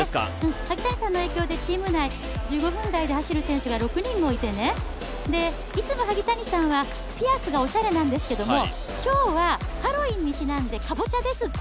萩谷さんの影響でチーム内、１５分台で走る選手が６人もいてね、いつも萩谷さんはピアスがおしゃれなんですけども、今日は、ハロウィーンにちなんでカボチャですって。